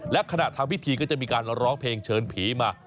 และขณะทำพิธีก็จะมีการร้องเพลงเชิญผีมา